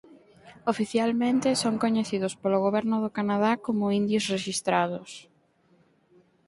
Oficialmente son coñecidos polo goberno do Canadá como "indios rexistrados".